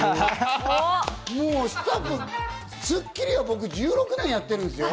『スッキリ』を僕、１６年やってるんですよ。